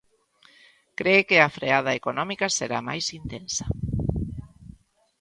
Cre que a freada económica será máis intensa.